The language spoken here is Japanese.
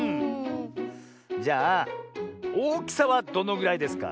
じゃあおおきさはどのぐらいですか？